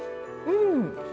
うん！